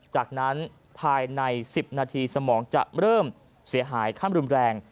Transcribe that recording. จากนั้นภายใน๑๐นาทีสมองจะเริ่มเสียหายขั้นรุนแรง